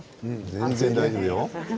全然大丈夫よ。